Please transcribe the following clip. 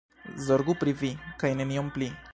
Zorgu pri vi, kaj nenion pli.